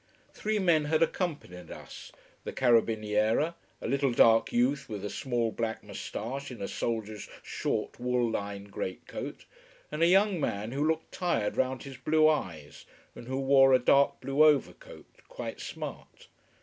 Three men had accompanied us: the carabiniere, a little dark youth with a small black moustache, in a soldier's short, wool lined great coat: and a young man who looked tired round his blue eyes, and who wore a dark blue overcoat, quite smart.